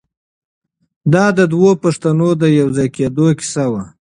دا د دوو پښتنو د یو ځای کېدو کیسه وه.